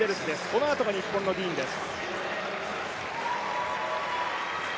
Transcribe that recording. このあとが日本のディーンです。